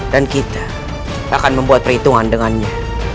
dan kita akan membuat perhitungan dengannya